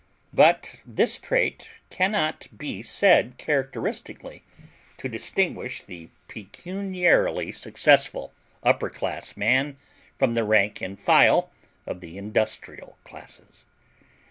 But this trait can not be said characteristically to distinguish the pecuniarily successful upper class man from the rank and file of the industrial classes.